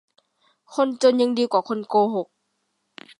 คนจนยังดีกว่าคนโกหก